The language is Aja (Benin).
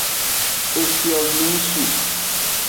Efiovingsu.